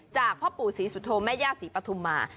จากพ่อปู่ศรีสุธโมมะยาศรีปฐุมา